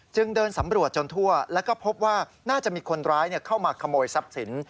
เดินสำรวจจนทั่วแล้วก็พบว่าน่าจะมีคนร้ายเข้ามาขโมยทรัพย์สิน